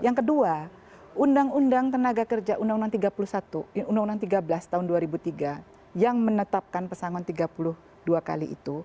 yang kedua undang undang tenaga kerja undang undang tiga belas tahun dua ribu tiga yang menetapkan pesangon tiga puluh dua kali itu